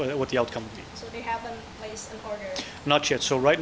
belum jadi sekarang mereka belum memasang perintah